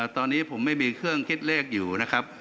ตอนนี้ผมไม่มีเครื่องคิดเลขอยู่นะครับ